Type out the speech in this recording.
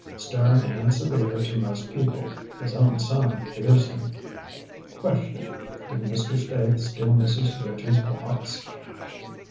Stern and severe to most people. His own son fears him. "Question: Did Mr. Spaythe steal Mrs. Ritchie's box?